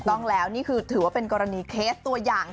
ต้องแล้วนี่คือถือว่าเป็นกรณีเคสตัวอย่าง